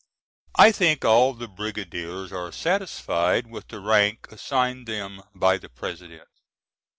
I think all the brigadiers are satisfied with the rank assigned them by the President.